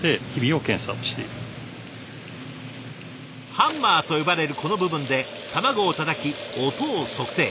ハンマーと呼ばれるこの部分で卵をたたき音を測定。